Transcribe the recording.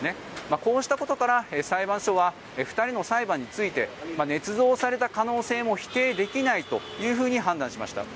こうしたことから裁判所は２人の裁判についてねつ造された可能性も否定できないと判断しました。